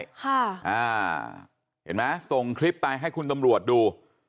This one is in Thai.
เห็นไหมส่งคลิปไปให้คุณตำรวจดู